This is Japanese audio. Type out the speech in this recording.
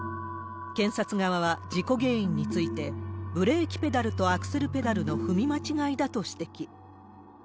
検察側は、事故原因について、ブレーキペダルとアクセルペダルの踏み間違いだと指摘。